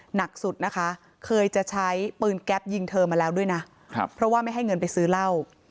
หนักสุดที่ว่าเธอเคยใช้ปืนแก๊ฟยิงอะไรมาแล้วเพราะไม่ให้เงินไปซื้อเล่า